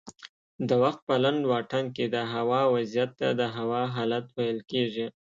د وخت په لنډ واټن کې دهوا وضعیت ته د هوا حالت ویل کېږي